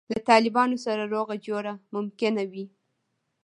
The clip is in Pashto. له طالبانو سره روغه جوړه ممکنه وي.